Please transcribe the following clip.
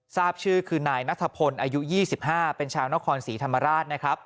ทราบชื่อคือนายนัทพลอายุ๒๕เป็นชาวนครศรีธรรมราชนะครับ